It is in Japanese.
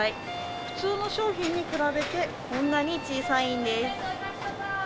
普通の商品に比べて、こんなに小さいんです。